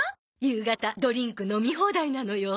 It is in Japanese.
夕方ドリンク飲み放題なのよ。